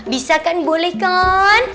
bisa kan boleh kan